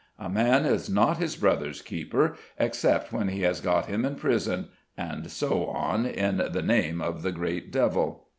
A man is not his brother's keeper except when he has got him in prison! And so on, in the name of the great devil!"